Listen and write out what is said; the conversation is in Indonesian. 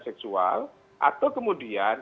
seksual atau kemudian